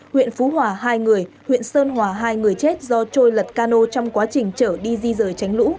huyện phú hòa hai người huyện sơn hòa hai người chết do trôi lật cano trong quá trình chở đi di rời tránh lũ